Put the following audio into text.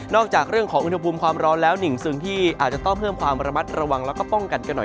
จากเรื่องของอุณหภูมิความร้อนแล้วหนึ่งสิ่งที่อาจจะต้องเพิ่มความระมัดระวังแล้วก็ป้องกันกันหน่อย